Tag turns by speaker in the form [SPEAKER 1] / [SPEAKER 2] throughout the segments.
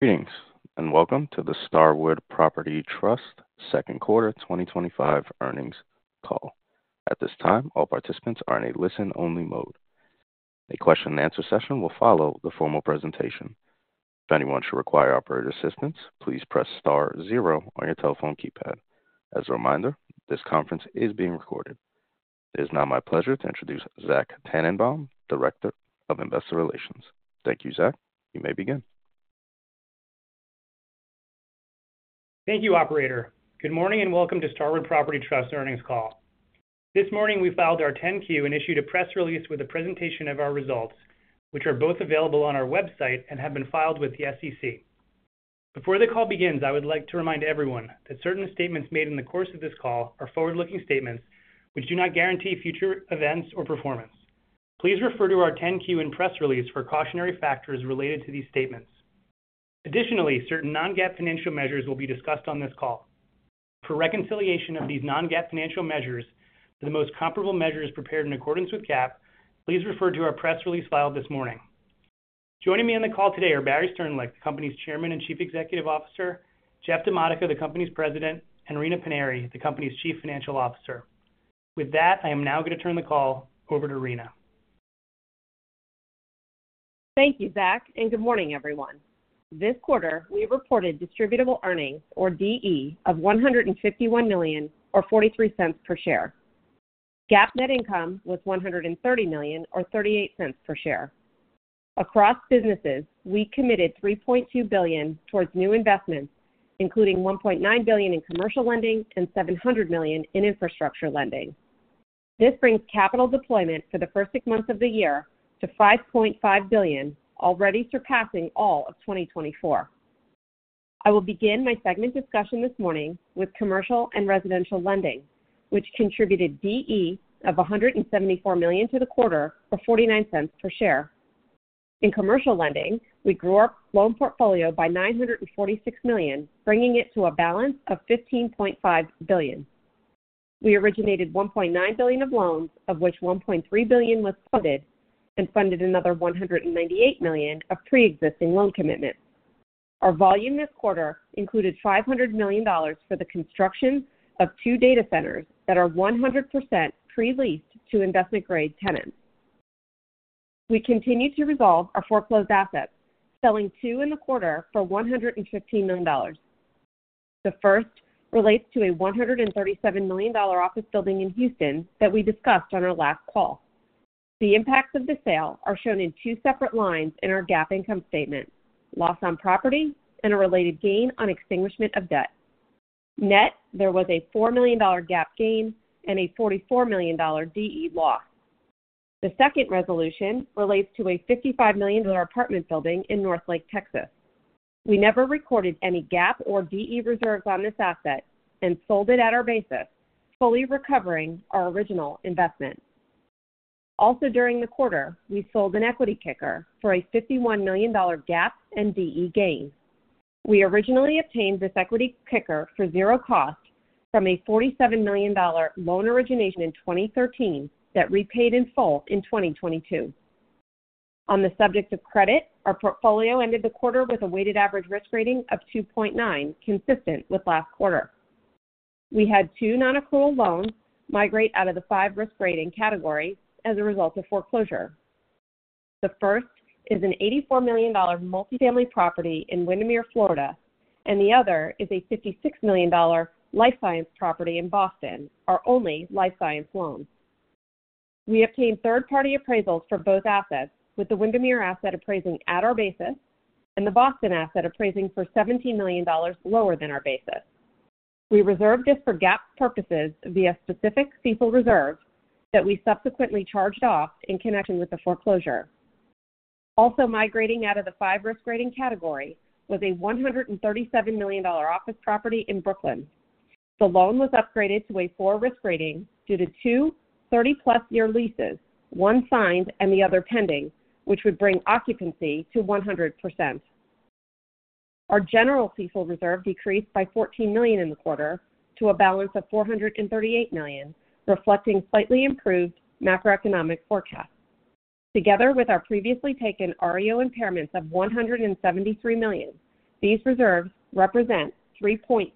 [SPEAKER 1] Greetings and welcome to the Starwood Property Trust second quarter 2025 earnings call. At this time, all participants are in a listen only mode. A question-and-answer session will follow the formal presentation. If anyone should require operator assistance, please press STAR zero on your telephone keypad. As a reminder, this conference is being recorded. It is now my pleasure to introduce Zach Tanenbaum, Director of Investor Relations. Thank you, Zach. You may begin.
[SPEAKER 2] Thank you, operator. Good morning and welcome to Starwood Property Trust Earnings Call. This morning we filed our 10-Q and issued a press release with a presentation of our results, which are both available on our website and have been filed with the SEC. Before the call begins, I would like to remind everyone that certain statements made in the course of this call are forward-looking statements, which do not guarantee future events or performance. Please refer to our 10-Q and press release for cautionary factors related to these statements. Additionally, certain non-GAAP financial measures will be discussed on this call. For reconciliation of these non-GAAP financial measures to the most comparable measures prepared in accordance with GAAP, please refer to our press release filed this morning. Joining me on the call today are Barry Sternlicht, the company's Chairman and Chief Executive Officer, Jeff DiModica, the company's President, and Rina Paniry, the company's Chief Financial Officer. With that, I am now going to turn the call over to Rina.
[SPEAKER 3] Thank you, Zach, and good morning, everyone. This quarter we reported distributable earnings, or DE, of $151 million, or $0.43 per share. GAAP net income was $130 million, or $0.38 per share, across businesses. We committed $3.2 billion towards new investments, including $1.9 billion in commercial lending and $700 million in infrastructure lending. This brings capital deployment for the first six months of the year to $5.5 billion, already surpassing all of 2024. I will begin my segment discussion this morning with commercial and residential lending, which contributed DE of $174 million to the quarter, or $0.49 per share in commercial lending. We grew our loan portfolio by $946 million, bringing it to a balance of $15.5 billion. We originated $1.9 billion of loans, of which $1.3 billion was funded, and funded another $198 million of pre-existing loan commitments. Our volume this quarter included $500 million for the construction of two data centers that are 100% pre-leased to investment-grade tenants. We continue to resolve our foreclosed assets, selling two in the quarter for $115 million. The first relates to a $137 million office building in Houston that we discussed on our last call. The impacts of the sale are shown in two separate lines in our GAAP income statement: loss on property and a related gain on extinguishment of debt. Net loss, there was a $4 million GAAP gain and a $44 million DE loss. The second resolution relates to a $55 million apartment building in Northlake, Texas. We never recorded any GAAP or DE reserves on this asset and sold it at our basis, fully recovering our original investment. Also during the quarter, we sold an equity kicker for a $51 million GAAP and DE gain. We originally obtained this equity kicker for zero cost from a $47 million loan origination in 2013 that repaid in full in 2022. On the subject of credit, our portfolio ended the quarter with a weighted average risk rating of 2.9. Consistent with last quarter, we had two non-accrual loans migrate out of the five risk rating category as a result of foreclosure. The first is an $84 million multifamily property in Windermere, Florida, and the other is a $56 million life science property in Boston, our only life science loan. We obtained third-party appraisals for both assets, with the Windermere asset appraising at our basis and the Boston asset appraising for $17 million lower than our basis. We reserve this for GAAP purposes via specific CECL reserve that we subsequently charged off in connection with the foreclosure. Also migrating out of the five risk rating category was a $137 million office property in Brooklyn. The loan was upgraded to a four risk rating due to two 30+ year leases, one signed and the other pending, which would bring occupancy to 100%. Our general CECL reserve decreased by $14 million in the quarter to a balance of $438 million, reflecting slightly improved macroeconomic forecasts. Together with our previously taken REO impairments of $173 million, these reserves represent 3.7%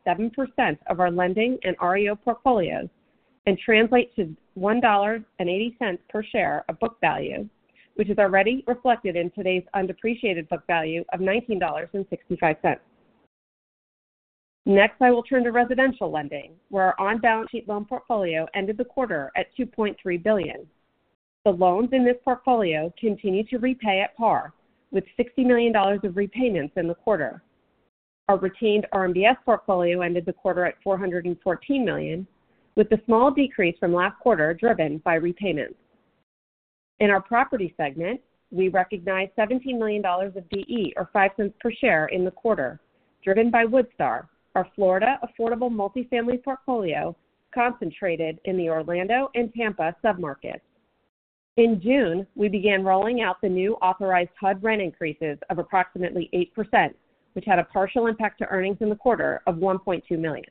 [SPEAKER 3] of our lending and REO portfolios and translate to $1.80 per share of book value, which is already reflected in today's undepreciated book value of $19.65. Next I will turn to residential lending where our on-balance sheet loan portfolio ended the quarter at $2.3 billion. The loans in this portfolio continue to repay at par with $60 million of repayments in the quarter. Our retained RMBS portfolio ended the quarter at $414 million, with the small decrease from last quarter driven by repayments. In our property segment, we recognized $17 million of DE or $0.05 per share in the quarter, driven by Woodstar, our Florida affordable multifamily portfolio concentrated in the Orlando and Tampa submarkets. In June, we began rolling out the new authorized HUD rent increases of approximately 8%, which had a partial impact to earnings in the quarter of $1.2 million.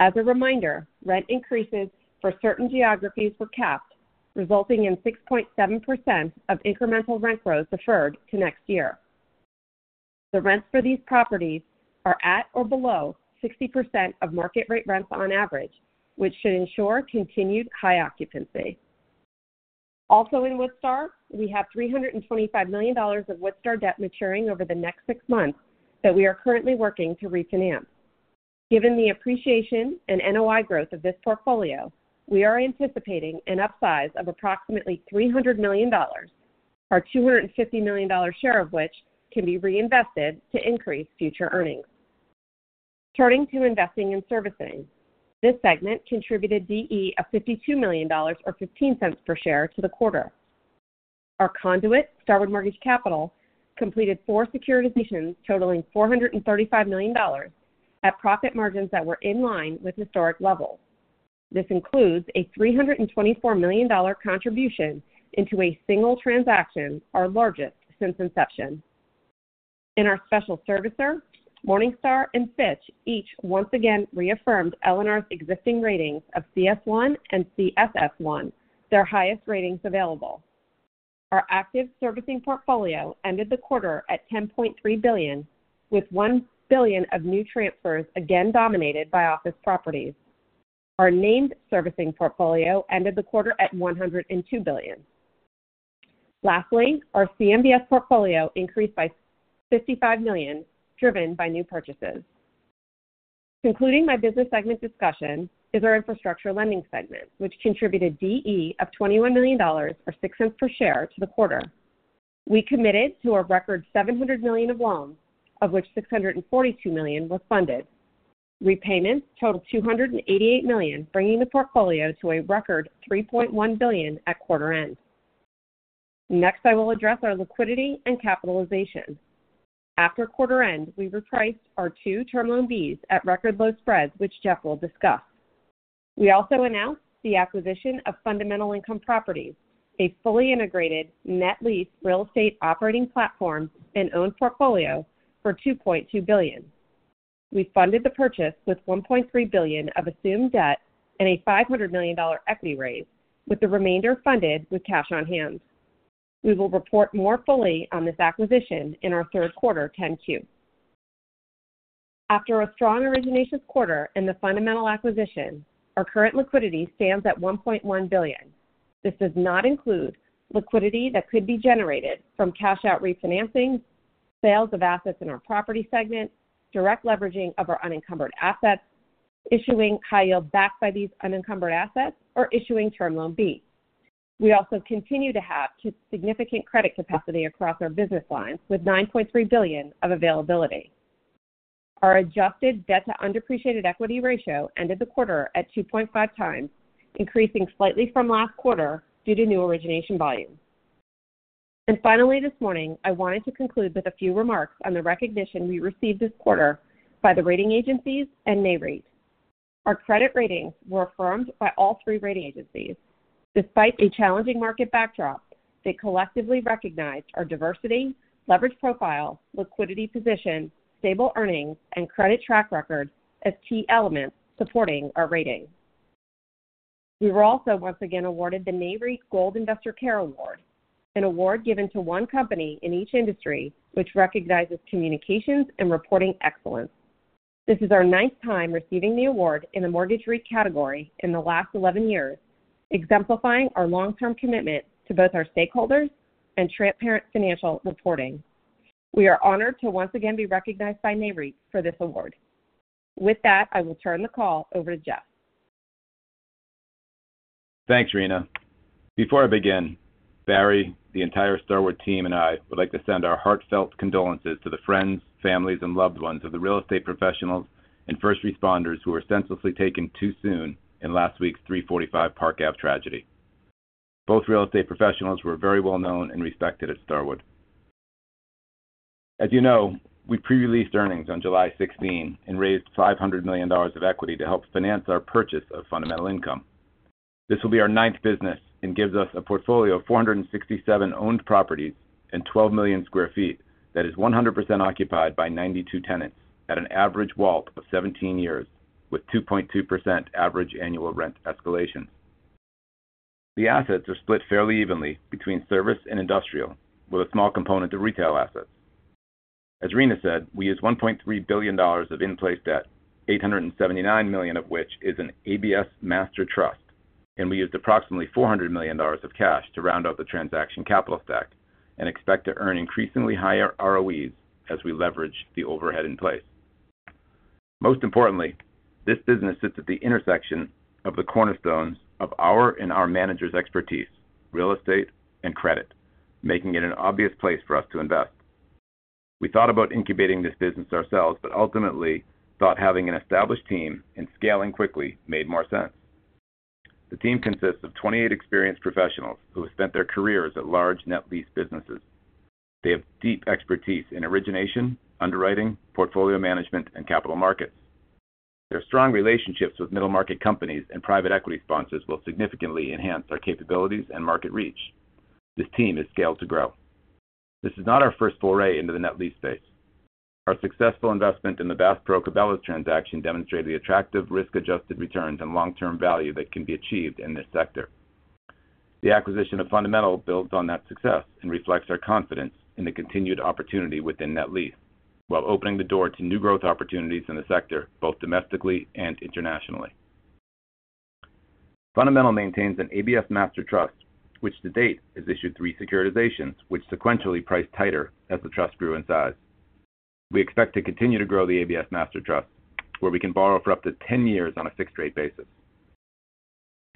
[SPEAKER 3] As a reminder, rent increases for certain geographies were capped, resulting in 6.7% of incremental rent growth deferred to next year. The rents for these properties are at or below 60% of market rate rents on average, which should ensure continued high occupancy. Also in Woodstar, we have $325 million of Woodstar debt maturing over the next six months that we are currently working to refinance. Given the appreciation and NOI growth of this portfolio, we are anticipating an upsize of approximately $300 million, our $250 million share of which can be reinvested to increase future earnings. Turning to investing and servicing, this segment contributed DE of $52 million or $0.15 per share to the quarter. Our conduit, Starwood Mortgage Capital, completed four securitizations totaling $435 million at profit margins that were in line with historic levels. This includes a $324 million contribution into a single transaction, our largest since inception. In our special servicer. Morningstar and Fitch each once again reaffirmed LNR's existing ratings of CS1 and CSS1, their highest ratings available. Our active servicing portfolio ended the quarter at $10.3 billion with $1 billion of new transfers, again dominated by office properties. Our named servicing portfolio ended the quarter at $102 billion. Lastly, our CMBS portfolio increased by $55 million, driven by new purchases. Concluding my business segment discussion is our infrastructure lending segment, which contributed DE of $21 million or $0.06 per share to the quarter. We committed to a record $700 million of loans, of which $642 million were funded. Repayments totaled $288 million, bringing the portfolio to a record $3.1 billion at quarter end. Next, I will address our liquidity and capitalization. After quarter end, we repriced our two term loan Bs at record low spreads, which Jeff will discuss. We also announced the acquisition of Fundamental Income Properties, a fully integrated net lease real estate operating platform and owned portfolio for $2.2 billion. We funded the purchase with $1.3 billion of assumed debt and a $500 million equity raise, with the remainder funded with cash on hand. We will report more fully on this acquisition in our third quarter 10-Q. After a strong originations quarter and the Fundamental acquisition, our current liquidity stands at $1.1 billion. This does not include liquidity that could be generated from cash out refinancing, sales of assets in our property segment, direct leveraging of our unencumbered assets, issuing high yield backed by these unencumbered assets, or issuing term loan B. We also continue to have significant credit capacity across our business lines with $9.3 billion of availability. Our adjusted debt to undepreciated equity ratio ended the quarter at 2.5x, increasing slightly from last quarter due to new origination volume. Finally, this morning I wanted to conclude with a few remarks on the recognition we received this quarter by the rating agencies and Nareit. Our credit ratings were affirmed by all three rating agencies despite a challenging market backdrop that collectively recognized our diversity, leverage profile, liquidity position, stable earnings, and credit track record as key elements supporting our rating. We were also once again awarded the Nareit Gold Investor Care Award, an award given to one company in each industry which recognizes communications and reporting excellence. This is our ninth time receiving the award in the Mortgage REIT category in the last 11 years, exemplifying our long-term commitment to both our stakeholders and transparent financial reporting. We are honored to once again be recognized by Nareit for this award. With that, I will turn the call over to Jeff.
[SPEAKER 4] Thanks Rina. Before I begin, Barry, the entire Starwood team and I would like to send our heartfelt condolences to the friends, families, and loved ones of the real estate professionals and first responders who were senselessly taken too soon in last week's 345 Park Ave tragedy. Both real estate professionals were very well known and respected at Starwood. As you know, we pre-released earnings on July 16 and raised $500 million of equity to help finance our purchase of Fundamental Income. This will be our ninth business and gives us a portfolio of 467 owned properties and 12 million square feet that is 100% occupied by 92 tenants at an average WALT of 17 years with 2.2% average annual rent escalation. The assets are split fairly evenly between service and industrial, with a small component of retail assets. As Rina said, we used $1.3 billion of in-place debt, $879 million of which is an ABS Master Trust, and we used approximately $400 million of cash to round out the transaction capital stack and expect to earn increasingly higher ROE as we leverage the overhead in place. Most importantly, this business sits at the intersection of the cornerstones of our and our manager's expertise, real estate and credit, making it an obvious place for us to invest. We thought about incubating this business ourselves, but ultimately thought having an established team and scaling quickly made more sense. The team consists of 28 experienced professionals who have spent their careers at large net lease businesses. They have deep expertise in origination, underwriting, portfolio management, and capital markets. Their strong relationships with middle market companies and private equity sponsors will significantly enhance our capabilities and market reach. This team is scaled to grow. This is not our first foray into the net lease space. Our successful investment in the Bass Pro Cabela transaction demonstrated the attractive risk-adjusted returns and long-term value that can be achieved in this sector. The acquisition of Fundamental builds on that success and reflects our confidence in the continued opportunity within net lease while opening the door to new growth opportunities in the sector both domestically and internationally. Fundamental maintains an ABS Master Trust, which to date has issued three securitizations which sequentially priced tighter as the trust grew in size. We expect to continue to grow the ABS Master Trust where we can borrow for up to 10 years on a fixed rate basis.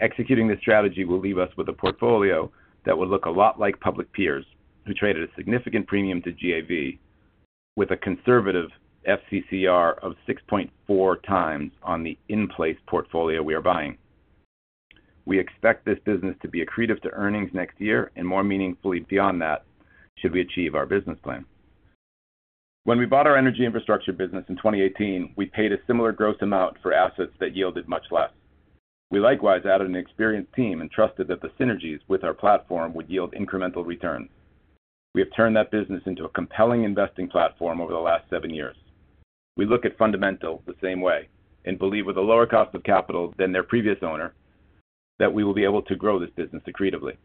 [SPEAKER 4] Executing this strategy will leave us with a portfolio that will look a lot like public peers who trade at a significant premium to GAV with a conservative FCCR of 6.4x on the in-place portfolio we are buying. We expect this business to be accretive to earnings next year and more meaningfully beyond that should we achieve our business plan. When we bought our energy infrastructure business in 2018, we paid a similar gross amount for assets that yielded much less. We likewise added an experienced team and trusted that the synergies with our platform would yield incremental return. We have turned that business into a compelling investing platform over the last seven years. We look at fundamentals the same way and believe with a lower cost of capital than their previous owner that we will be able to grow this business accretively.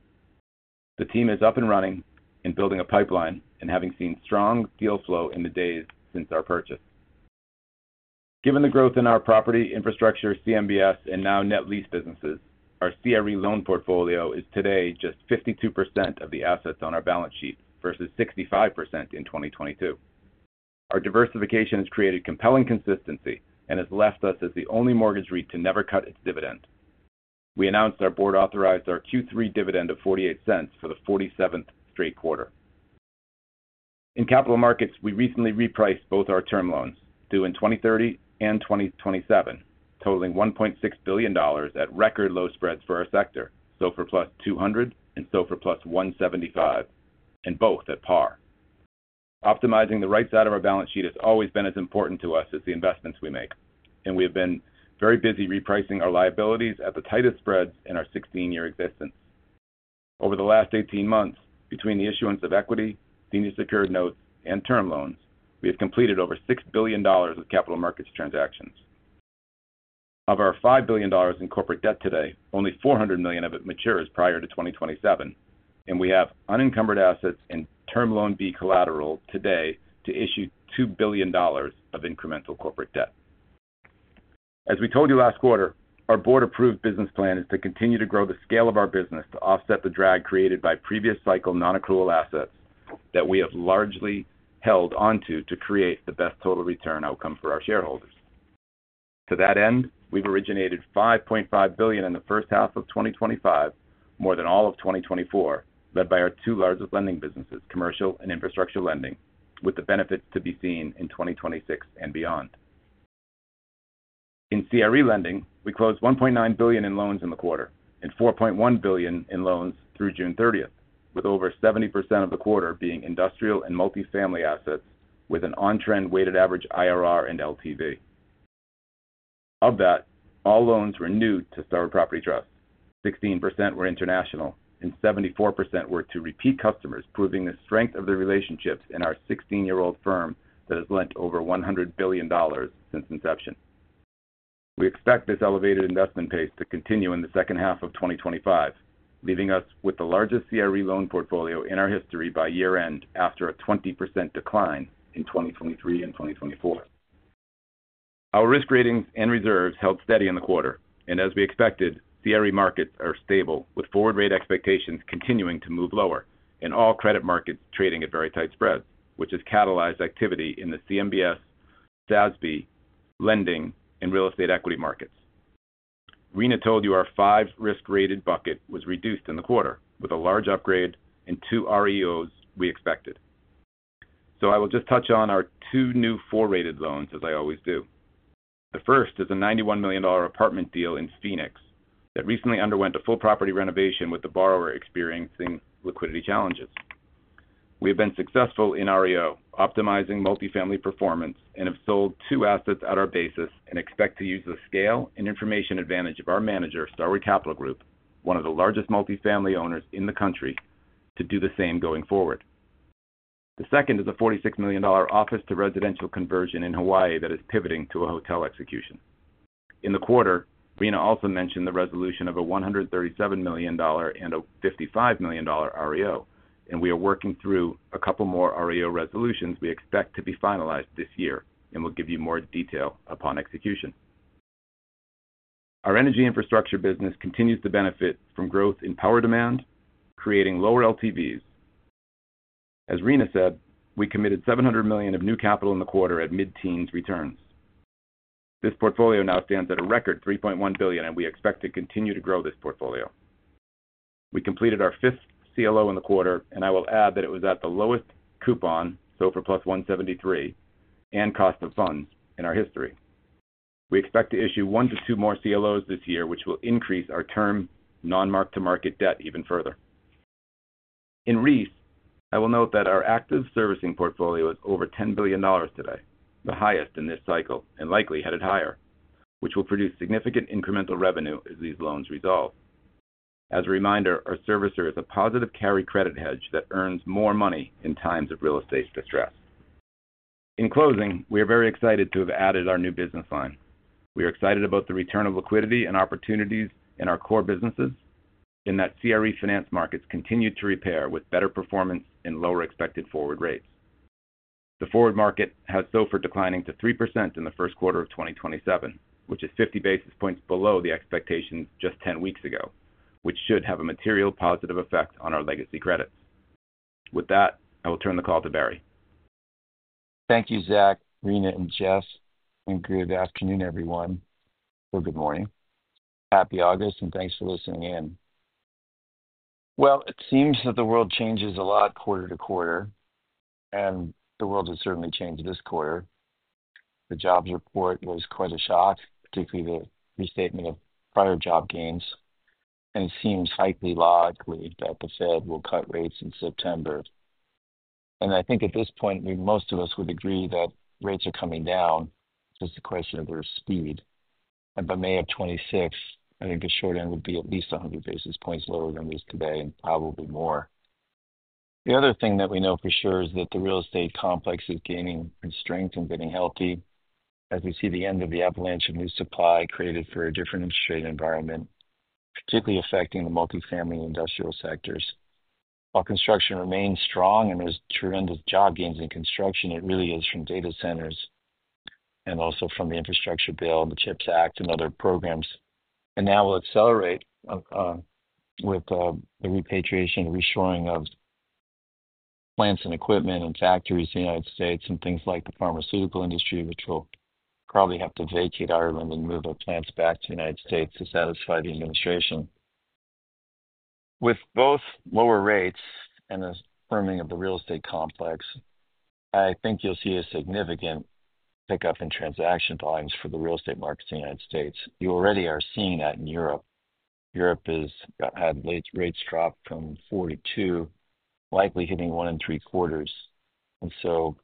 [SPEAKER 4] The team is up and running and building a pipeline and having seen strong deal flow in the days since our purchase. Given the growth in our property infrastructure, CMBS and now net lease businesses, our CRE loan portfolio is today just 52% of the assets on our balance sheet versus 65% in 2022. Our diversification has created compelling consistency and has left us as the only mortgage REIT to never cut its dividend. We announced our board authorized our Q3 dividend of $0.48 for the 47th straight quarter. In capital markets, we recently repriced both our term loans due in 2030 and 2027 totaling $1.6 billion at record low spreads for our sector, SOFR +200 and SOFR +175, and both at par. Optimizing the right side of our balance sheet has always been as important to us as the investments we make, and we have been very busy repricing our liabilities at the tightest spreads in our 16-year existence. Over the last 18 months, between the issuance of equity, senior secured notes, and term loans, we have completed over $6 billion of capital markets transactions. Of our $5 billion in corporate debt today, only $400 million of it matures prior to 2027, and we have unencumbered assets and term loan B collateral today to issue $2 billion of incremental corporate debt. As we told you last quarter, our board-approved business plan is to continue to grow the scale of our business to offset the drag created by previous cycle non-accrual assets that we have largely held onto to create the best total return outcome for our shareholders. To that end, we've originated $5.5 billion in the first half of 2025, more than all of 2024, led by our two largest lending businesses, commercial and infrastructure lending, with the benefits to be seen in 2026 and beyond. In CRE lending, we closed $1.9 billion in loans in the quarter and $4.1 billion in loans through June 30th, with over 70% of the quarter being industrial and multifamily assets with an on-trend weighted average IRR and LTV. Of that, all loans renewed to Starwood Property Trust, 16% were international and 74% were to repeat customers, proving the strength of the relationships in our 16-year-old firm that has lent over $100 billion since inception. We expect this elevated investment pace to continue in the second half of 2025, leaving us with the largest CRE loan portfolio in our history by year-end after a 20% decline in 2023 and 2024. Our risk ratings and reserves held steady in the quarter, and as we expected, CRE markets are stable with forward rate expectations continuing to move lower and all credit markets trading at very tight spreads, which has catalyzed activity in the CMBS, SASB lending, and real estate equity markets. Rina told you our five risk-rated bucket was reduced in the quarter with a large upgrade and two REOs we expected. I will just touch on our two new four-rated loans as I always do. The first is a $91 million apartment deal in Phoenix that recently underwent a full property renovation with the borrower experiencing liquidity challenges. We have been successful in REO optimizing multifamily performance and have sold two assets at our basis and expect to use the scale and information advantage of our manager, Starwood Capital Group, one of the largest multifamily owners in the country, to do the same going forward. The second is a $46 million office to residential conversion in Hawaii that is pivoting to a hotel execution in the quarter. Rina also mentioned the resolution of a $137 million and a $55 million REO, and we are working through a couple more REO resolutions we expect to be finalized this year and we'll give you more detail upon execution. Our energy infrastructure business continues to benefit from growth in power demand, creating lower LTVs. As Rina said, we committed $700 million of new capital in the quarter at mid-teens returns. This portfolio now stands at a record $3.1 billion, and we expect to continue to grow this portfolio. We completed our fifth CLO in the quarter, and I will add that it was at the lowest coupon SOFR plus 173 and cost of funds in our history. We expect to issue one to two more CLOs this year, which will increase our term non mark to market debt even further. In REIS, I will note that our active servicing portfolio is over $10 billion today, the highest in this cycle and likely headed higher, which will produce significant incremental revenue as these loans resolve. As a reminder, our servicer is a positive carry credit hedge that earns more money in times of real estate distress. In closing, we are very excited to have added our new business line. We are excited about the return of liquidity and opportunities in our core businesses in that CRE finance markets continue to repair with better performance in lower expected forward rates. The forward market has SOFR declining to 3% in the first quarter of 2027, which is 50 basis points below the expectation just 10 weeks ago, which should have a material positive effect on our legacy credit. With that, I will turn the call to Barry.
[SPEAKER 5] Thank you, Zach, Rina, and Jeff, and good afternoon, everyone.
[SPEAKER 4] Good morning.
[SPEAKER 5] Happy August and thanks for listening in. It seems that the world changes a lot quarter to quarter and the world has certainly changed this quarter. The jobs report was quite a shock, particularly the restatement of prior job gains, and it seems likely that the Fed will cut rates in September. I think at this point most of us would agree that rates are coming down. It's a question of their speed. By May of 2026, I think the short end would be at least 100 basis points lower than it is today and probably more. The other thing that we know for sure is that the real estate complex is gaining strength and getting healthy as we see the end of the avalanche of new supply created for a different interest rate environment, particularly affecting the multifamily industrial sectors. While construction remains strong and there's tremendous job gains in construction, it really is from data centers and also from the infrastructure bill, the CHIPS Act and other programs. Now we'll accelerate with the repatriation reshoring of plants and equipment and factories in the United States and things like the pharmaceutical industry, which will probably have to vacate Ireland and move the plants back to the United States to satisfy the administration. With both lower rates and the firming of the real estate complex, I think you'll see a significant pickup in transaction volumes for the real estate markets in the United States. You already are seeing that in Europe. Europe has had rates dropped from 4-2, likely hitting 1.75.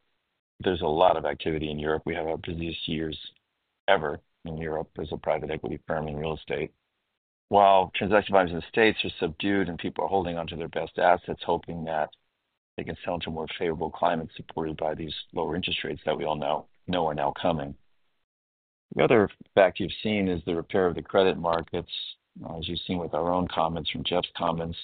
[SPEAKER 5] There's a lot of activity in Europe. We have our busiest years ever in Europe as a private equity firm in real estate. While transaction volumes in the States are subdued and people are holding onto their best assets, hoping that they can sell into a more favorable climate supported by these lower interest rates that we all know are now coming. The other fact you've seen is the repair of the credit markets, as you've seen with our own comments from Jeff's comments.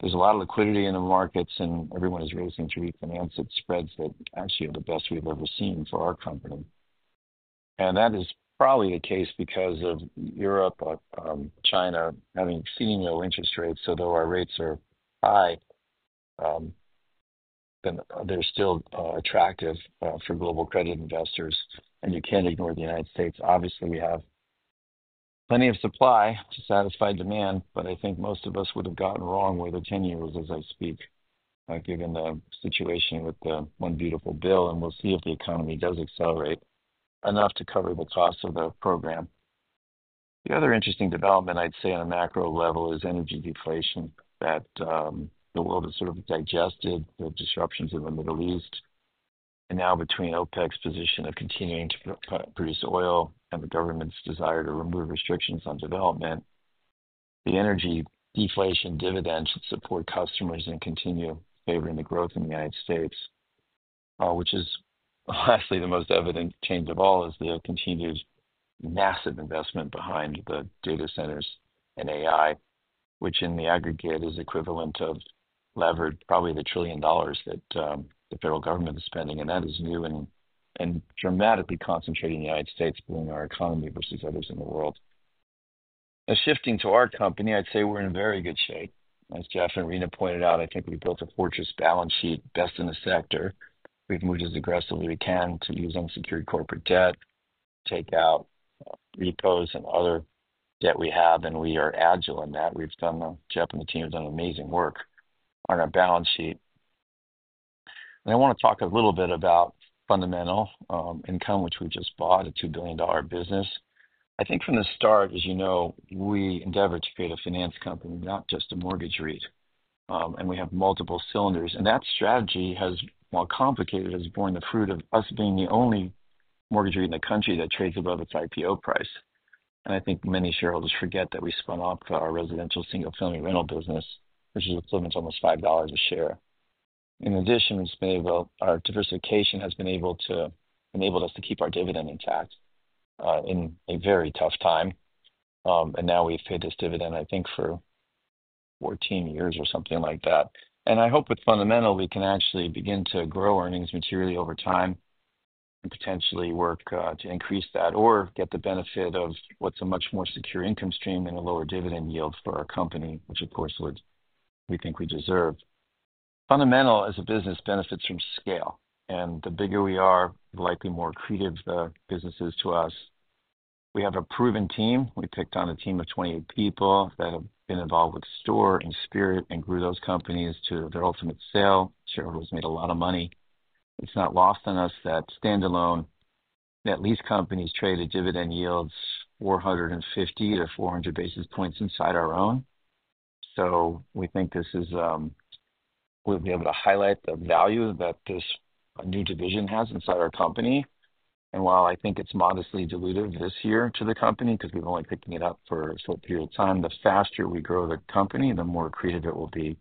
[SPEAKER 5] There's a lot of liquidity in the markets and everyone is racing to refinance at spreads that actually are the best we've ever seen for our company. That is probably the case because of Europe, China having exceedingly low interest rates. Although our rates are high, then they're still attractive for global credit investors. You can't ignore the United States. Obviously we have plenty of supply to satisfy demand, but I think most of us would have gotten wrong over 10 years as I speak, given the situation with the one beautiful bill. We'll see if the economy does accelerate enough to cover the cost of the program. The other interesting development I'd say on a macro level is energy deflation. The world has sort of digested the disruptions in the Middle East and now between OPEC's position of continuing to produce oil and the government's desire to remove restrictions on development, the energy deflation dividend should support customers and continue favoring the growth in the United States, which is actually the most evident change of all. The continued massive investment behind the data centers and AI, which in the aggregate is equivalent of leverage, probably the trillion dollars that the federal government is spending, is new and dramatically concentrating the United States pulling our economy versus others in the world. Shifting to our company, I'd say we're in very good shape. As Jeff and Rina pointed out, I think we built a fortress balance sheet, best in the sector. We've moved as aggressively as we can to use unsecured corporate debt, take out repos and other debt we have. We are agile in that we've done. Jeff and the team have done amazing work on our balance sheet. I want to talk a little bit about Fundamental Income, which we just bought, a $2 billion business. I think from the start, as you know, we endeavored to create a finance company, not just a mortgage REIT. We have multiple cylinders, and that strategy has, while complicated, has borne the fruit of us being the only mortgage REIT in the country that trades above its IPO price. I think many shareholders forget that we spun off our residential single family rental business, which is almost $5 a share. In addition, our diversification has been able to enable us to keep our dividend intact in a very tough time. Now we've paid this dividend I think for what, 14 years or something like that. I hope with Fundamental we can actually begin to grow earnings materially over time and potentially work to increase that or get the benefit of what's a much more secure income stream and a lower dividend yield for our company, which of course we think we deserve. Fundamental as a business benefits from scale, and the bigger we are, likely more accretive the business is to us. We have a proven team. We picked on a team of 28 people that have been involved with STORE and Spirit and grew those companies to their ultimate sale. Shareholders made a lot of money. It's not lost on us that standalone net lease companies trade at dividend yields 450-400 basis points inside our own. We think this is we'll be able to highlight the value that this new division has inside our company. While I think it's modestly dilutive this year to the company because we've only picking it up for a short period of time, the faster we grow the company, the more accretive it will be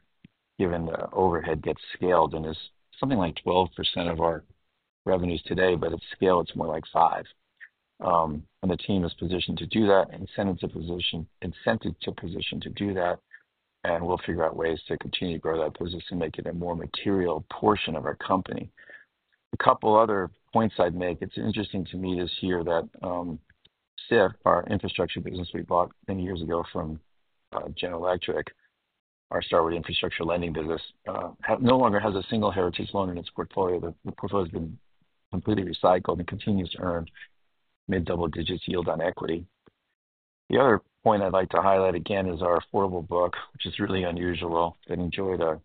[SPEAKER 5] given the overhead gets scaled and is something like 12% of our revenues today. At scale it's more like 5%. The team is positioned to do that. Incentive to position. Incentive to position to do that and we'll figure out ways to continue to grow that position, make it a more material portion of our company. A couple other points I'd make. It's interesting to me this year that SIF, our infrastructure business we bought many years ago from General Electric. Our Starwood infrastructure lending business no longer has a single heritage loan in its portfolio. The portfolio has been completely recycled and continues to earn mid double digits yield on equity. The other point I'd like to highlight again is our affordable book which is really unusual that enjoyed a,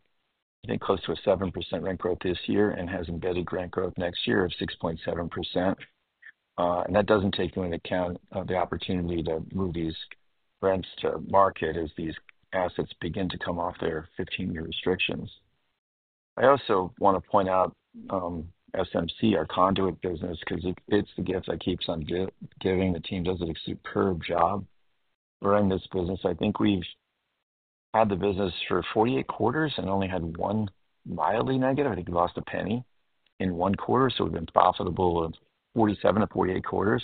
[SPEAKER 5] I think close to a 7% rent growth this year and has embedded rent growth next year of 6.7%. That doesn't take into account the opportunity to move these rents to market as these assets begin to come off their 15-year restrictions. I also want to point out SMC, our conduit business, because it fits the gift that keeps on giving. The team does a superb job running this business. I think we've had the business for 48 quarters and only had one mildly negative. I think we lost a penny in one quarter so it's been profitable 47-48 quarters.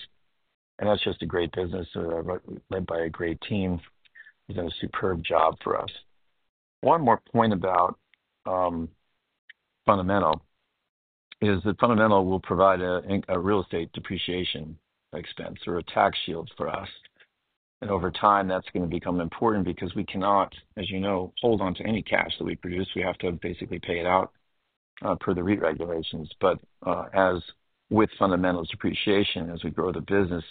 [SPEAKER 5] That's just a great business led by a great team. He's done a superb job for us. One more point. Fundamental is that Fundamental Income Properties will provide a real estate depreciation expense or a tax shield for us, and over time that's going to become important because we cannot, as you know, hold on to any cash that we produce. We have to basically pay it out per the REIT regulations. As with Fundamental's depreciation, as we grow the business,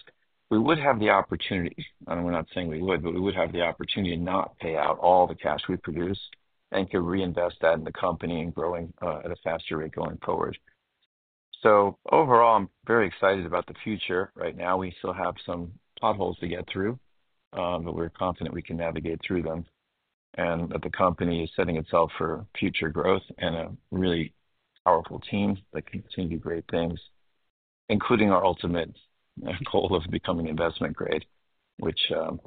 [SPEAKER 5] we would have the opportunity, and we're not saying we would, but we would have the opportunity to not pay out all the cash we produce and can reinvest that in the company and growing at a faster rate going forward. Overall, I'm very excited about the future. Right now, we still have some potholes to get through, but we're confident we can navigate through them and that the company is setting itself for future growth and a really powerful team that continues to do great things, including our ultimate goal of becoming investment-grade, which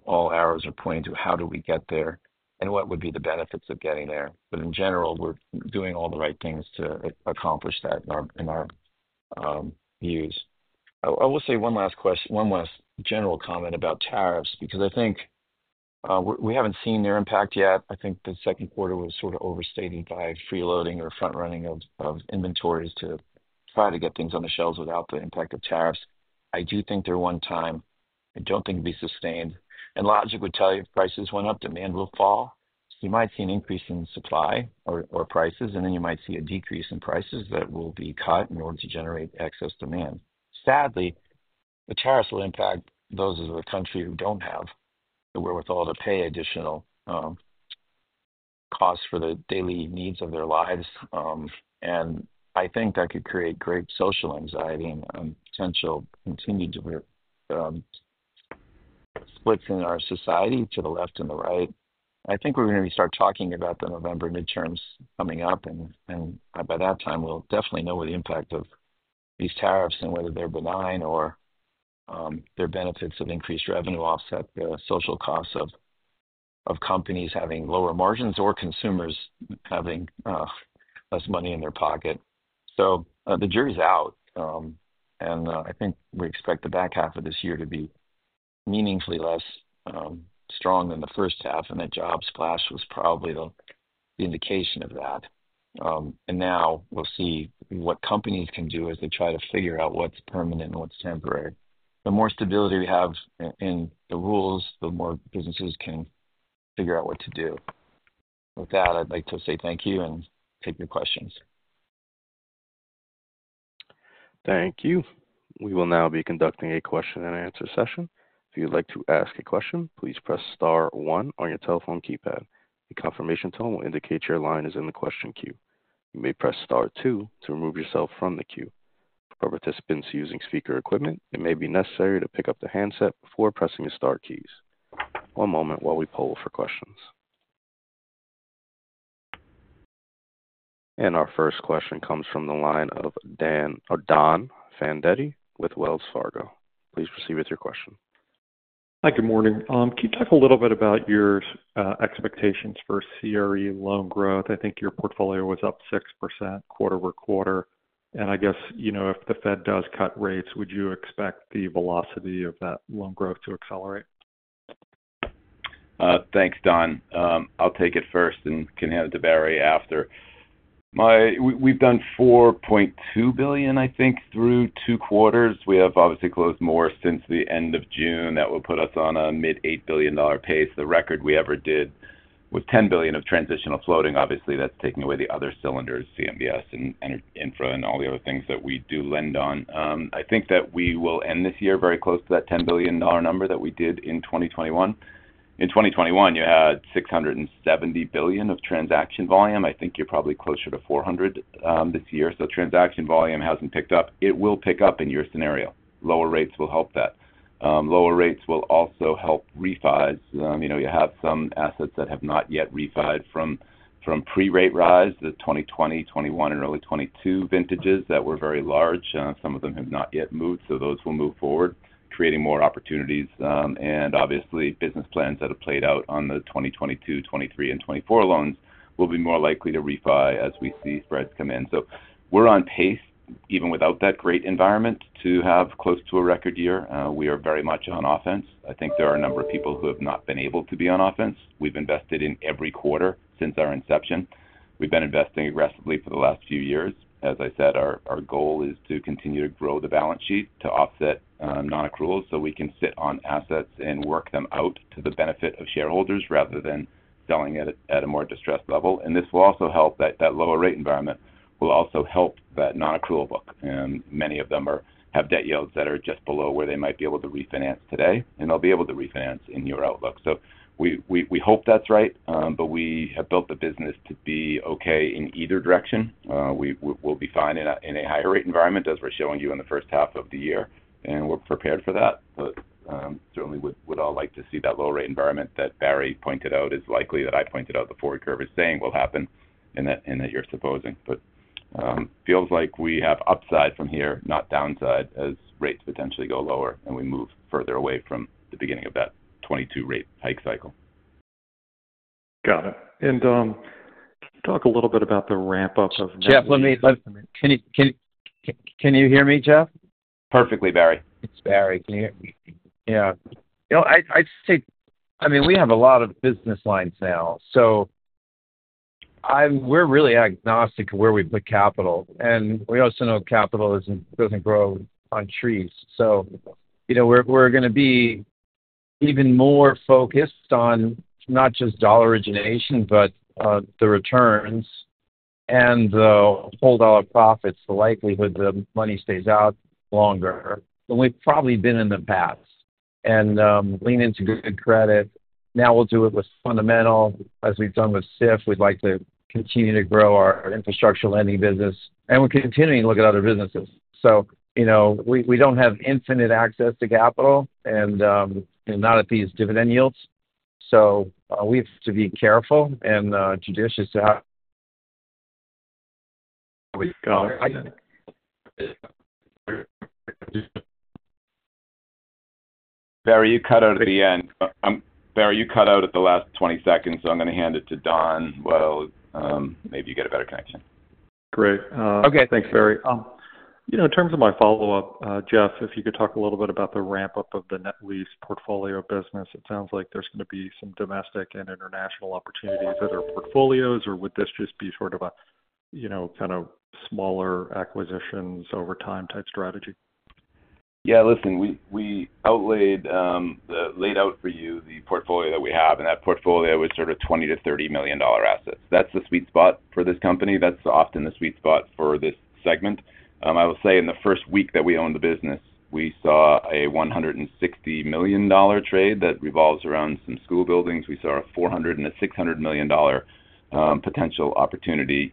[SPEAKER 5] all arrows are pointing to. How do we get there and what would be the benefits of getting there? In general, we're doing all the right things to accomplish that in our views. I will say one last question, one last general comment about tariffs because I think we haven't seen their impact yet. I think the second quarter was sort of overstated by freeloading or front running of inventories to try to get things on the shelves without the impact of tariffs. I do think they're one time. I don't think it'd be sustained. Logic would tell you if prices went up, demand will fall. You might see an increase in supply or prices, and then you might see a decrease in prices that will be cut in order to generate excess demand. Sadly, the tariffs will impact those of the country who don't have the wherewithal to pay additional costs for the daily needs of their lives. I think that could create great social anxiety and potential continued splits in our society to the left and the right. We're going to start talking about the November midterms coming up, and by that time we'll definitely know what the impact of these tariffs and whether they're benign or their benefits of increased revenue offset the social costs of companies having lower margins or consumers having less money in their pocket. The jury's out. We expect the back half of this year to be meaningfully less strong than the first half. That jobs class was probably the indication of that. Now we'll see what companies can do as they try to figure out what's permanent and what's temporary. The more stability we have in the rules, the more businesses can figure out what to do with that. I'd like to say thank you and take your questions.
[SPEAKER 1] Thank you. We will now be conducting a question-and-answer session. If you'd like to ask a question, please press star one on your telephone keypad. The confirmation tone will indicate your line is in the question queue. You may press star two to remove yourself from the queue. For participants using speaker equipment, it may be necessary to pick up the handset before pressing the star keys. One moment while we poll for questions and our first question comes from the line of Don Fandetti with Wells Fargo. Please proceed with your question.
[SPEAKER 6] Hi, good morning. Can you talk a little bit about your expectations for CRE loan growth? I think your portfolio was up 6% quarter-over-quarter. I guess, you know, if the Fed does cut rates, would you expect the velocity of that loan growth to accelerate?
[SPEAKER 4] Thanks, Don. I'll take it first and can hand it to Barry. After we've done $4.2 billion, I think through two quarters, we have obviously closed more since the end of June. That will put us on a mid-$8 billion pace, the record we ever did with $10 billion of transitional floating. Obviously, that's taking away the other cylinders, CMBS and infra and all the other things that we do lend on. I think that we will end this year very close to that $10 billion number that we did in 2021. In 2021, you had $670 billion of transaction volume. I think you're probably closer to $400 billion this year. Transaction volume hasn't picked up. It will pick up. In your scenario, lower rates will help that. Lower rates will also help refi's. You have some assets that have not yet refi'd from pre-rate rise, the 2020, 2021 and early 2022 vintages that were very large. Some of them have not yet moved. Those will move forward creating more opportunities. Obviously, business plans that have played out on the 2022, 2023 and 2024 loans will be more likely to refi as we see spreads come in. We're on pace even without that great environment to have close to a record year. We are very much on offense. I think there are a number of people who have not been able to be on offense. We've invested in every quarter since our inception. We've been investing aggressively for the last few years. As I said, our goal is to continue to grow the balance sheet to offset non-accruals so we can sit on assets and work them out to the benefit of shareholders rather than selling it at a more distressed level. This will also help that. That lower rate environment will also help that non-accrual book. Many of them have debt yields that are just below where they might be able to refinance today, and they'll be able to refinance in your outlook. We hope that's right. We have built the business to be okay in either direction. We will be fine in a higher rate environment as we're showing you in the first half of the year, and we're prepared for that. Certainly, we would all like to see that low rate environment that Barry pointed out is likely, that I pointed out the forward curve is saying will happen, and that you're supposing, but feels like we have upside from here, not downside as rates potentially go lower and we move further away from the beginning of that 2022 rate hike cycle. Got it.
[SPEAKER 6] Talk a little bit about the ramp up of.
[SPEAKER 5] Jeff, let me. Can you? Can you hear me, Jeff?
[SPEAKER 4] Perfectly. Barry.
[SPEAKER 5] It's Barry. Yeah, you know, I think, I mean we have a lot of business lines now, so I'm really agnostic of where we put capital and we also know capital doesn't grow on trees. You know, we're going to be even more focused on not just dollar origination but the returns and the whole dollar profits. The likelihood the money stays out longer when we've probably been in the past and lean into good credit now. We'll do it with Fundamental as we've done with SIF, we'd like to continue to grow our infrastructure lending business and we're continuing to look at other businesses. You know, we don't have infinite access to capital and not at these dividend yields. We have to be careful and judicious.
[SPEAKER 4] Barry, you cut out at the end. Barry, you cut out at the last 20 seconds. I'm going to hand it to Don. Maybe you get a better connection.
[SPEAKER 6] Great.
[SPEAKER 5] Okay.
[SPEAKER 4] Thanks, Barry.
[SPEAKER 6] In terms of my follow up, Jeff, if you could talk a little bit about the ramp up of the net lease portfolio business. It sounds like there's going to be some domestic and international opportunities. Other portfolios or would this just be kind of smaller acquisitions over time type strategy?
[SPEAKER 4] Yeah, listen, we laid out for you the portfolio that we have. That portfolio is sort of $20-$30 million assets. That's the sweet spot for this company. That's often the sweet spot for this segment. I will say in the first week that we owned the business, we saw a $160 million trade that revolves around some school buildings. We saw a $400 million and a $600 million potential opportunity,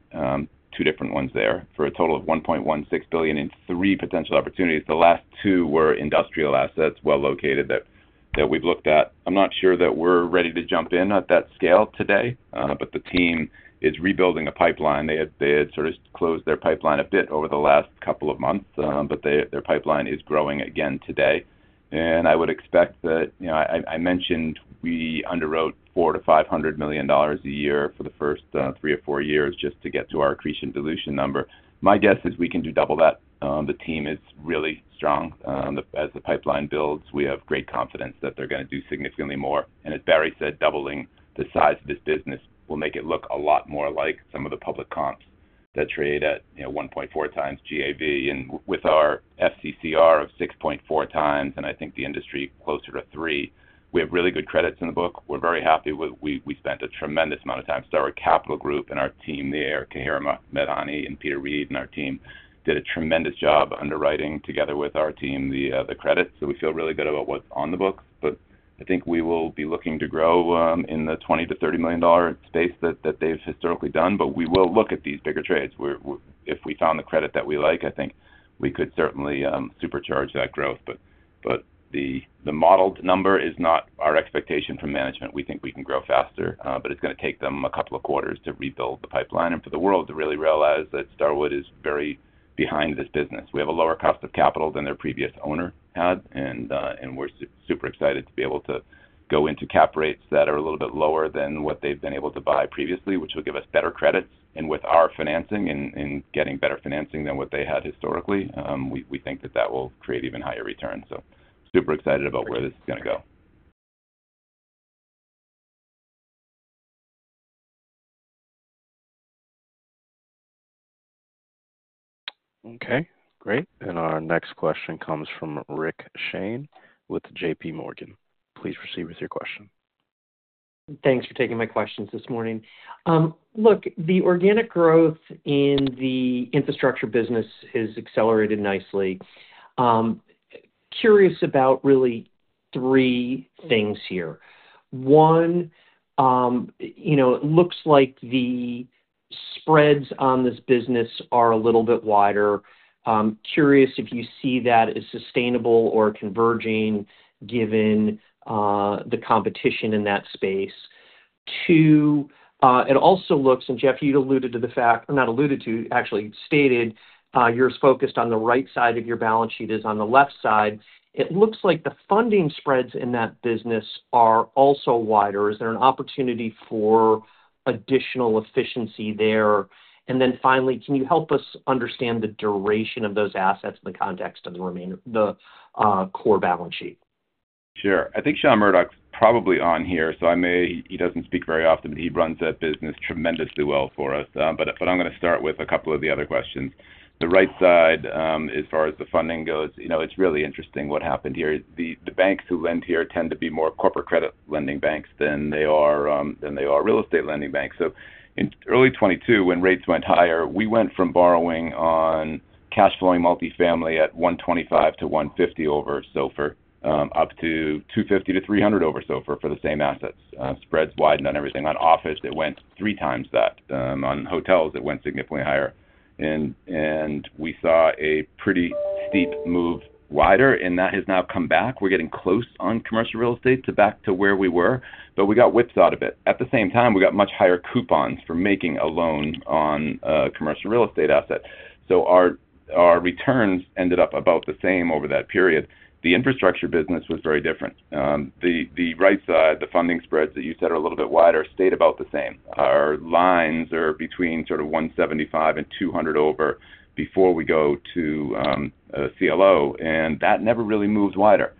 [SPEAKER 4] two different ones there for a total of $1.16 billion in three potential opportunities. The last two were industrial assets well located that we've looked at. I'm not sure that we're ready to jump in at that scale today. The team is rebuilding a pipeline. They had sort of closed their pipeline a bit over the last couple of months, but their pipeline is growing again today. I would expect that I mentioned we underwrote $400-$500 million a year for the first three or four years just to get to our accretion dilution number. My guess is we can do double that. The team is really strong. As the pipeline builds, we have great confidence that they're going to do significantly more and as Barry said, doubling the size of this business will make it look a lot more like some of the public comps that trade at 1.4x GAV and with our FCCR of 6.4x and I think the industry closer to 3x, we have really good credits in the book. We're very happy. We spent a tremendous amount of time, Starwood Capital Group and our team there, Kahira Madani and Peter Reed, and our team did a tremendous job underwriting together with our team the credit. We feel really good about what's on the book. I think we will be looking to grow in the $20-$30 million space that they've historically done. We will look at these bigger trades. If we found the credit that we like, I think we could certainly supercharge that growth. The modeled number is not our expectation from management. We think we can grow faster, but it's going to take them a couple of quarters to rebuild the pipeline and for the world to really realize that Starwood is very behind this business. We have a lower cost of capital than their previous owner had and we're super excited to be able to go into cap rates that are a little bit lower than what they've been able to buy previously, which will give us better credits. With our financing and getting better financing than what they had historically, we think that will create even higher returns. Super excited about where this is going to go.
[SPEAKER 1] Okay, great. Our next question comes from Rick Shane with JPMorgan. Please proceed with your question.
[SPEAKER 7] Thanks for taking my questions this morning. Look, the organic growth in the infrastructure business has accelerated nicely. Curious about really three things here. One, you know, it looks like the spreads on this business are a little bit wider. Curious if you see that as sustainable or converging given the competition in that space. Two, it also looks, and Jeff, you'd alluded to the fact, not alluded to, actually stated, you're as focused on the right side of your balance sheet as on the left side. It looks like the funding spreads in that business are also wider. Is there an opportunity for additional efficiency there? Finally, can you help us understand the duration of those assets in the context of the core balance sheet?
[SPEAKER 4] Sure. I think Sean Murdock's probably on here, so I may. He doesn't speak very often. He runs that business tremendously well for us. I'm going to start with a couple of the other questions. The right side, as far as the funding goes. You know, it's really interesting what happened here. The banks who lend here tend to be more corporate credit lending banks than they are real estate lending banks. In early 2022, when rates went higher, we went from borrowing on cash flowing multifamily at 125-150 over SOFR up to 250-300 over SOFR for the same assets. Spreads widened on everything. On office it went 3x that. On hotels it went significantly higher and we saw a pretty steep move wider and that has now come back. We're getting close on commercial real estate to back to where we were but we got whips out of it at the same time we got much higher coupons for making a loan on commercial real estate asset. Our returns ended up about the same over that period. The infrastructure business was very different. The right side, the funding spreads that you said are a little bit wider stayed about the same. Our lines are between sort of 175 and 200 over before we go to CLO and that never really moves wider.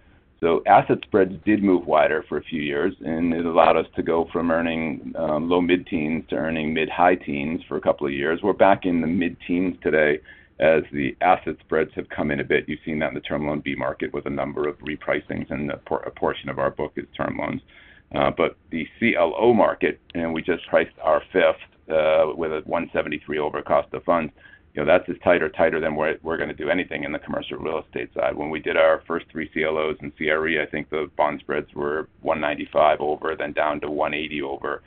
[SPEAKER 4] Asset spreads did move wider for a few years and it allowed us to go from earning low mid-teens to earning mid-high teens for a couple of years. We're back in the mid-teens today as the asset spreads have come in a bit. You've seen that in the term loan B market with a number of repricings and a portion of our book is term loans but the CLO market and we just priced our fifth with a 173 over cost of funds. That's as tight or tighter than we're going to do anything in the commercial real estate side. When we did our first three CLOs in CRE I think the bond spreads were 195 over then down to 180 over.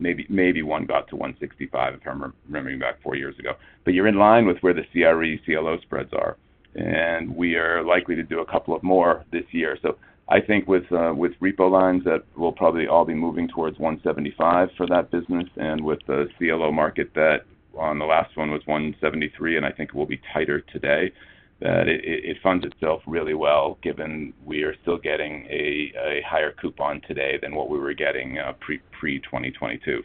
[SPEAKER 4] Maybe one got to 165 if I'm remembering about four years ago. You're in line with where the CRE CLO spreads are and we are likely to do a couple more this year. I think with repo lines that we'll probably all be moving towards 175 for that business. With the CLO market that on the last one was 173 and I think will be tighter today that it funds itself really well given we are still getting a higher coupon today than what we were getting pre-2022.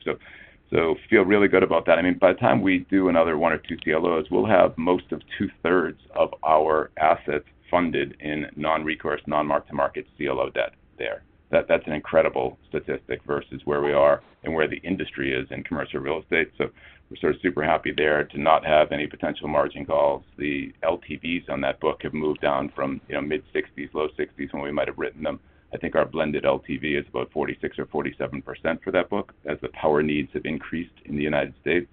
[SPEAKER 4] Feel really good about that. By the time we do another one or two CLOs we'll have most of 2/3 of our assets funded in non-recourse, non mark to market CLO debt there. That's an incredible statistic versus where we are and where the industry is in commercial real estate. Super happy there to not have any potential margin calls. The LTVs on that book have moved down from mid-60s, low-60s when we might have written them. I think our blended LTV is about 46% or 47% for that book. As the power needs have increased in the United States,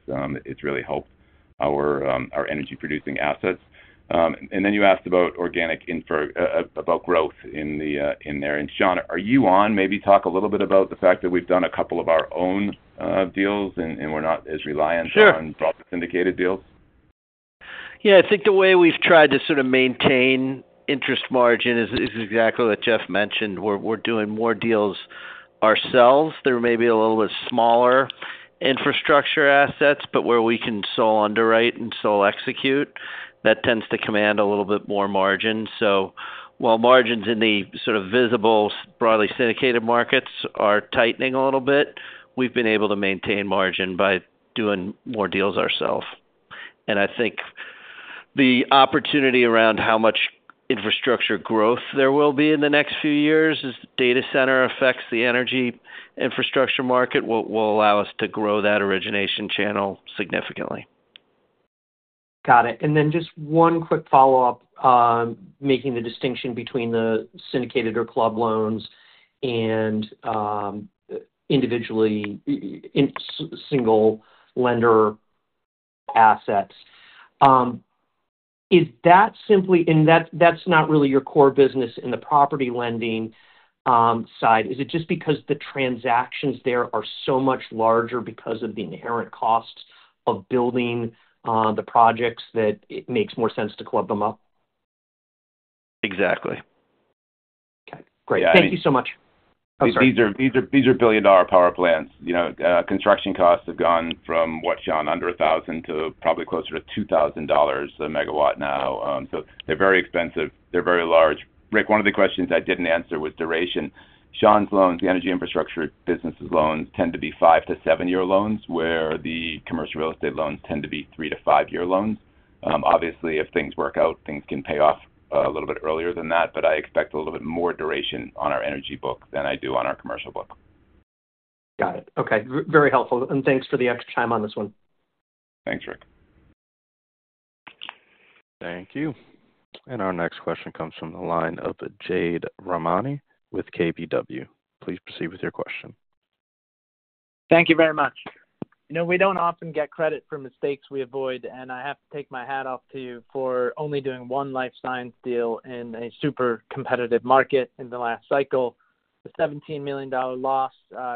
[SPEAKER 4] it's really helped our energy producing assets. You asked about organic infra, about growth in there. Sean, are you on, maybe talk a little bit about the fact that we've done a couple of our own deals and we're not as reliant on broadcast indicated deals?
[SPEAKER 8] Yeah, I think the way we've tried to sort of maintain interest margin is exactly what Jeff mentioned. We're doing more deals ourselves. There may be a little bit smaller infrastructure assets, but where we can sole underwrite and sole execute, that tends to command a little bit more margin. While margins in the sort of visible broadly syndicated markets are tightening a little bit, we've been able to maintain margin by doing more deals ourselves. I think the opportunity around how much infrastructure growth there will be in the next few years as data center affects the energy infrastructure market will allow us to grow that origination channel significantly.
[SPEAKER 7] Got it. Just one quick follow up. Making the distinction between the syndicated or club loans and individually in single lender assets. Is that simply, and that's not really your core business in the property lending side, is it? Just because the transactions there are so much larger because of the inherent cost of building the projects, it makes more sense to club them up.
[SPEAKER 4] Exactly.
[SPEAKER 7] Okay, great. Thank you so much.
[SPEAKER 4] These are billion dollar power plants. You know, construction costs have gone from what, Sean, under $1,000 to probably closer to $2,000 a MW now. They're very expensive, they're very large. Rick, one of the questions I didn't answer was duration. Sean's loans, the energy infrastructure business's loans, tend to be five to seven year loans, where the commercial real estate loans tend to be 3-5 year loans. Obviously, if things work out, things can pay off a little bit earlier than that. I expect a little bit more duration on our energy book than I do on our commercial book.
[SPEAKER 7] Got it. Okay, very helpful, and thanks for the extra time on this one.
[SPEAKER 4] Thanks Rick.
[SPEAKER 1] Thank you. Our next question comes from the line of Jade Rahmani with KBW. Please proceed with your question.
[SPEAKER 9] Thank you very much. You know, we don't often get credit for mistakes we avoid. I have to take my hat off to you for only doing one life science deal in a super competitive market in the last cycle. The $17 million loss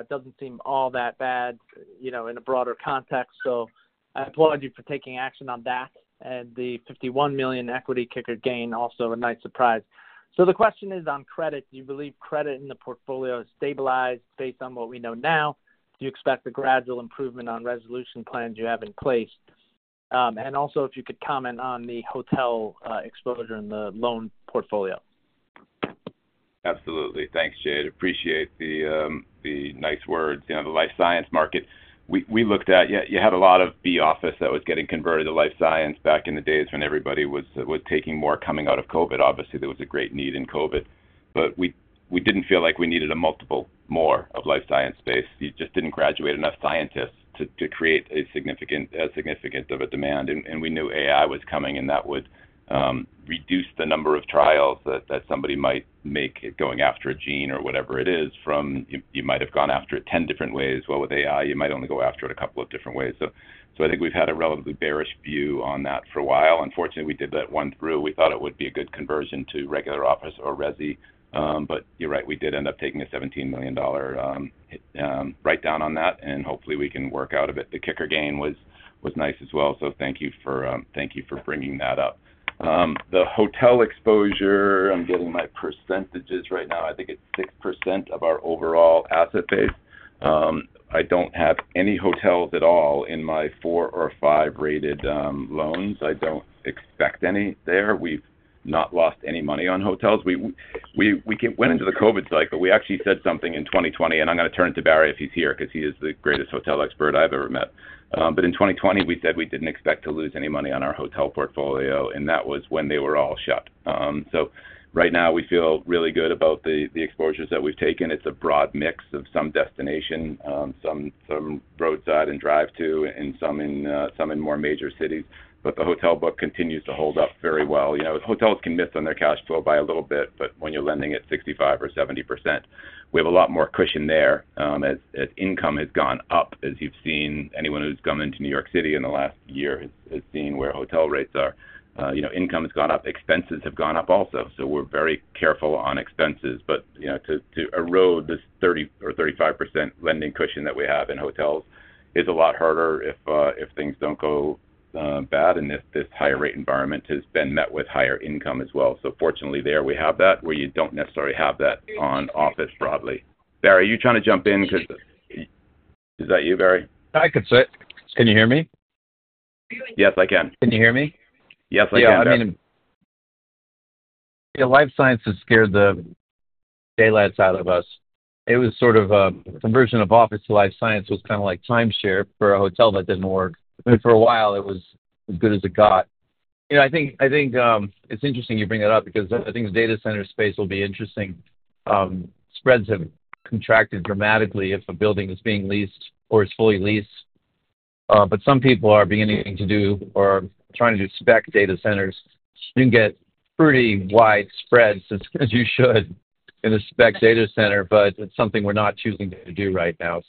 [SPEAKER 9] doesn't seem all that bad in a broader context. I applaud you for taking action on that. The $51 million equity kicker gain, also a nice surprise. The question is on credit, do you believe credit in the portfolio stabilized? Based on what we know now, do you expect the gradual improvement on resolution plans you have in place? If you could comment on the hotel exposure in the loan portfolio.
[SPEAKER 4] Absolutely. Thanks, Jade. I appreciate the nice words. The life science market we looked at, you had a lot of office that was getting converted to life science back in the days when everybody was taking more coming out of Covid. Obviously there was a great need in Covid, but we didn't feel like we needed a multiple more of life science space. You just didn't graduate enough scientists to create a significant, significant of a demand. We knew AI was coming and that would reduce the number of trials that somebody might make going after a gene or whatever it is from. You might have gone after it 10 different ways. With AI, you might only go after it a couple of different ways. I think we've had a relatively bearish view on that for a while. Unfortunately, we did that one through. We thought it would be a good conversion to regular office or resi. You're right, we did end up taking a $17 million write down on that and hopefully we can work out of it. The kicker gain was nice as well. Thank you for bringing that up. The hotel exposure, I'm getting my percentages right now. I think it's 6% of our overall asset base. I don't have any hotels at all in my four or five rated loans. I don't expect any there. We've not lost any money on hotels. We went into the Covid like, but we actually said something in 2020 and I'm going to turn it to Barry if he's here because he is the greatest hotel expert I've ever met. In 2020, we said we didn't expect to lose any money on our hotel portfolio and that was when they were all shut. Right now we feel really good about the exposures that we've taken. It's a broad mix of some destination, some roadside and drive to and some in more major cities. The hotel book continues to hold up very well. You know, hotels can miss on their cash flow by a little bit, but when you're lending at 65%-70%, we have a lot more cushion there as income has gone up. As you've seen, anyone who's come into New York City in the last year has seen where hotel rates are, you know, income has gone up. Expenses have gone up also. We're very careful on expenses. To erode this 30% or 35% lending cushion that we have in hotels is a lot harder if things don't go bad and if this higher rate environment has been met with higher income as well. Fortunately, there we have that where you don't necessarily have that on office broadly. Barry, are you trying to jump in because. Is that you? Barry?
[SPEAKER 5] I could say it. Can you hear me?
[SPEAKER 4] Yes, I can.
[SPEAKER 5] Can you hear me?
[SPEAKER 4] Yes, I can.
[SPEAKER 5] Life science has scared the daylights out of us. It was sort of a conversion of office to life science, was kind of like timeshare for a hotel that didn't work for a while. It was as good as it got. I think it's interesting you bring that up because I think the data center space will be interesting. Spreads have contracted dramatically if a building is being leased or is fully leased. Some people are beginning to do or trying to do spec data centers. You can get pretty wide spreads, as you should, in a spec data center. It's something we're not choosing to do right now.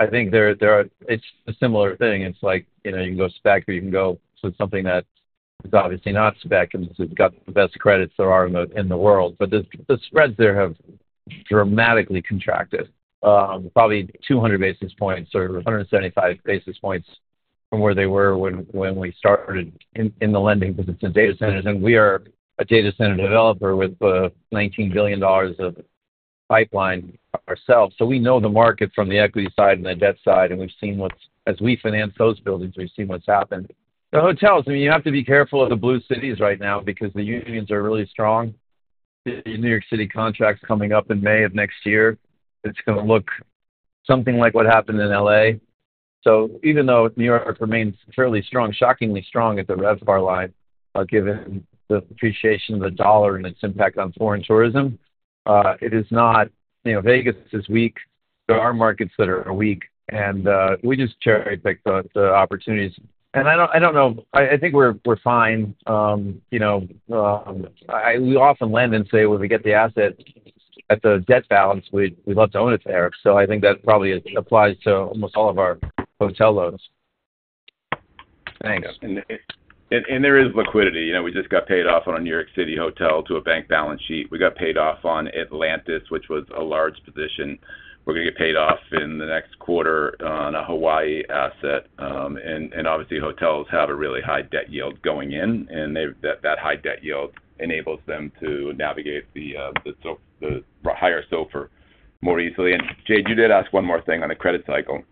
[SPEAKER 5] I think there are, it's a similar thing. You can go spec or you can go with something that is obviously not spec and got the best credits there are in the world. The spreads there have dramatically contracted, probably 200 basis points or 175 basis points from where they were when we started in lending data centers. We are a data center developer with $19 billion of pipeline ourselves. We know the market from the equity side and the debt side. We've seen what, as we finance those buildings, we've seen what's happened. The hotels, you have to be careful of the blue cities right now because the unions are really strong. New York City contracts coming up in May of next year. It's going to look something like what happened in LA. Even though New York remains fairly strong, shockingly strong at the RevPAR line, given the appreciation of the dollar and its impact on foreign tourism, it is not, you know, Vegas is weak. There are markets that are weak and we just cherry pick the opportunities. I think we're fine. We often lend and say when we get the asset at the debt balance, we'd love to own it there. I think that probably applies to almost all of our hotel loans.
[SPEAKER 9] Thanks.
[SPEAKER 4] There is liquidity. You know, we just got paid off on a New York City hotel to a bank balance sheet. We got paid off on Atlantis, which was a large position. We are going to get paid off in the next quarter on a Hawaii asset. Obviously, hotels have a really high debt yield going in and that high debt yield enables them to navigate the higher SOFR more easily. Jade, you did ask one more thing on a credit cycle.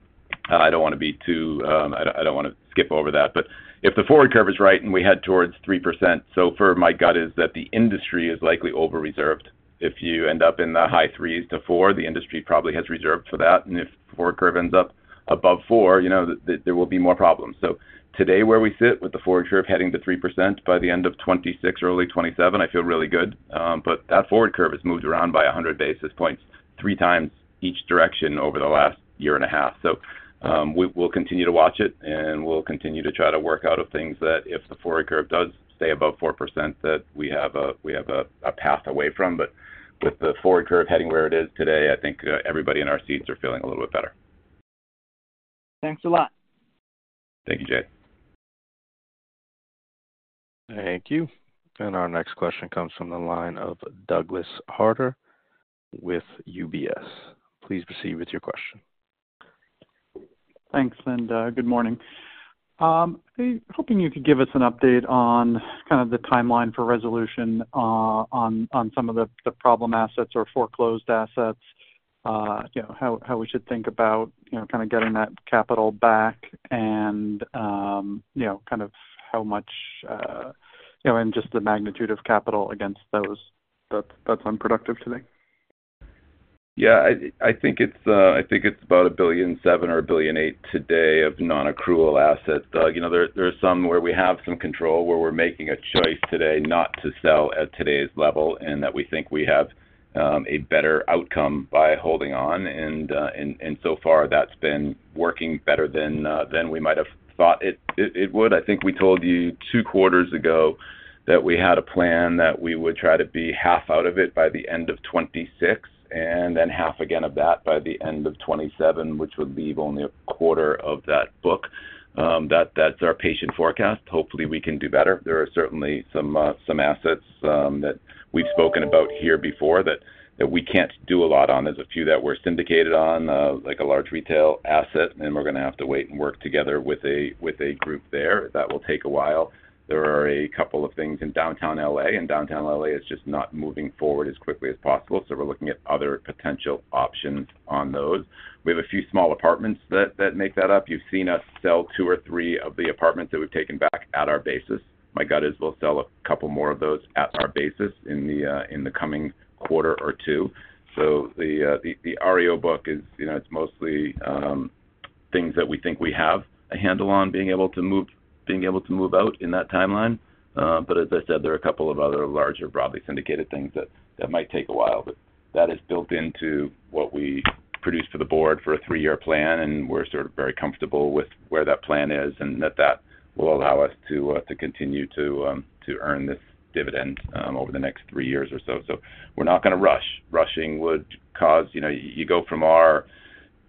[SPEAKER 4] I do not want to skip over that. If the forward curve is right and we head towards 3%, my gut is that the industry is likely over reserved. If you end up in the high threes to 4%, the industry probably has reserved for that. If the forward curve ends up above 4%, there will be more problems. Today, where we sit with the forward curve heading to 3% by the end of 2026, early 2027, I feel really good. That forward curve has moved around by 100 basis points three times each direction over the last year and a half. We will continue to watch it and we will continue to try to work out of things that, if the forward curve does stay above 4%, we have a path away from. With the forward curve heading where it is today, I think everybody in our seats are feeling a little bit better.
[SPEAKER 9] Thanks a lot.
[SPEAKER 4] Thank you, Jade.
[SPEAKER 1] Thank you. Our next question comes from the line of Douglas Harter with UBS. Please proceed with your question.
[SPEAKER 10] Thanks, Linda, good morning. Hoping you could give us an update on the timeline for resolution on some of the problem assets or foreclosed assets. How we should think about getting that capital back and how much and just the magnitude of capital against those, that's unproductive to me.
[SPEAKER 4] Yeah, I think it's about $1.7 billion or $1.8 billion today of non-accrual assets. There are some where we have some control where we're making a choice today not to sell at today's level and that we think we have a better outcome by holding on. So far that's been working better than we might have thought it would. I think we told you two quarters ago that we had a plan that we would try to be half out of it by the end of 2026 and then half again of that by the end of 2027, which would leave only a quarter of that book. That's our patient forecast. Hopefully we can do better. There are certainly some assets that we've spoken about here before that we can't do a lot on. There are a few that we're syndicated on, like a large retail asset, and we're going to have to wait and work together with a group there. There are a couple of things in downtown LA, and downtown LA is just not moving forward as quickly as possible. We're looking at other potential options on those. We have a few small apartments that make that up. You've seen us sell two or three of the apartments that we've taken back at our basis. My gut is we'll sell a couple more of those at our basis in the coming quarter or two. The REO book is mostly things that we think we have a handle on being able to move, being able to move out in that timeline. As I said, there are a couple of other larger broadly syndicated things that might take a while, but that is built into what we produce for the board for a three-year plan. We're very comfortable with where that plan is and that will allow us to continue to earn this dividend over the next three years or so. We're not going to rush. Rushing would cause, you know, you go from our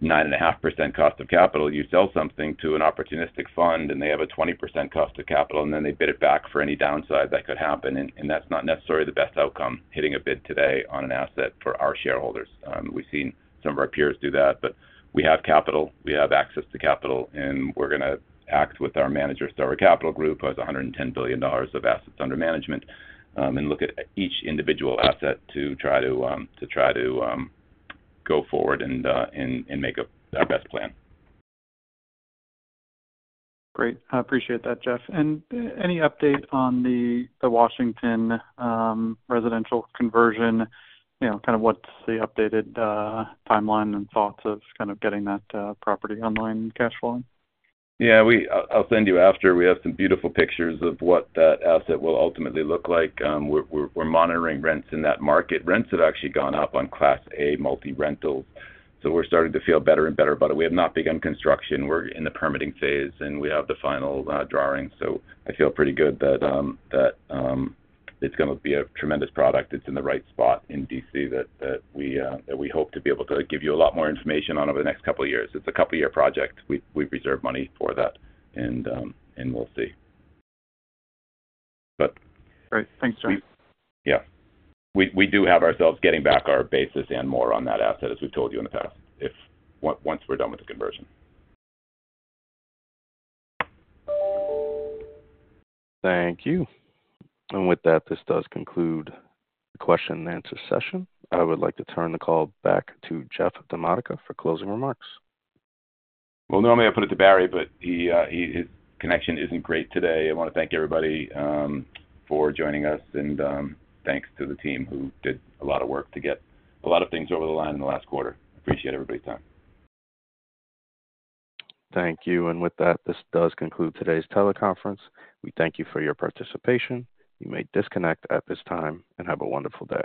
[SPEAKER 4] 9.5% cost of capital, you sell something to an opportunistic fund and they have a 20% cost of capital and then they bid it back for any downside that could happen. That's not necessarily the best outcome hitting a bid today on an asset for our shareholders. We've seen some of our peers do that, but we have capital, we have access to capital, and we're going to act with our manager. Starwood Capital Group has $110 billion of assets under management and look at each individual asset to try to go forward and make our best plan.
[SPEAKER 10] Great. I appreciate that, Jeff. Any update on the Washington residential conversion? What's the updated timeline and thoughts of getting that property online cash flowing?
[SPEAKER 4] Yeah, I'll send you after. We have some beautiful pictures of what that asset will ultimately look like. We're monitoring rents in market. Rents have actually gone up on class A multi-rental, so we're starting to feel better and better about it. We have not begun construction, we're in the permitting phase, and we have the final drawing. I feel pretty good that it's going to be a tremendous product. It's in the right spot in D.C. that we hope to be able to give you a lot more information on over the next couple of years. It's a couple year project. We reserve money for that and we'll see.
[SPEAKER 10] Great. Thanks, Jeff.
[SPEAKER 4] Yeah, we do have ourselves getting back our basis and more on that asset, as we told you in the past, once we're done with the conversion.
[SPEAKER 1] Thank you. With that, this does conclude the question-and-answer session. I would like to turn the call back to Jeff DiModica for closing remarks.
[SPEAKER 4] Normally I put it to Barry, but his connection isn't great today. I want to thank everybody for joining us. Thanks to the team who did a lot of work to get a lot of things over the line in the last quarter. Appreciate everybody's time.
[SPEAKER 1] Thank you. With that, this does conclude today's teleconference. We thank you for your participation. You may disconnect at this time and have a wonderful day.